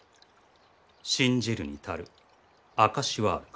信じるに足る証しはあるか？